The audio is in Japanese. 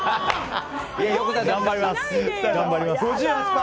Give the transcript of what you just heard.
頑張ります。